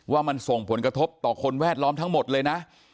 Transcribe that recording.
ว่ามันส่งผลกระทบต่อคนแวดล้อมทั้งหมดเลยนะ